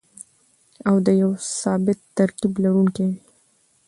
او د يو ثابت ترکيب لرونکي وي.